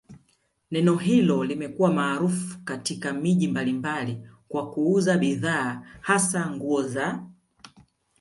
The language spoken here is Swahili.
neno hilo limekuwa maarufu katika miji mbalimbali kwa kuuza bidhaa hasa nguo za